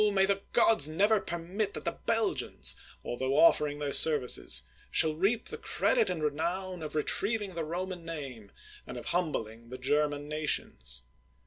may the gods never permit that the Belgians, altho offering their services, shall reap the credit and renown of retrieving the Roman name, and of humbling the German nations.